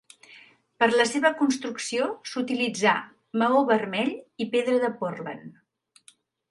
Per la seva construcció s'utilitzà maó vermell i pedra de Portland.